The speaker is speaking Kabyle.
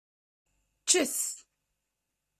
Ččet.